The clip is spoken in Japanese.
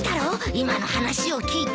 今の話を聞いて。